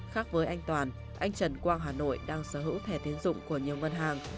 khác với anh toàn anh trần quang hà nội đang sở hữu thẻ tiến dụng của nhiều ngân hàng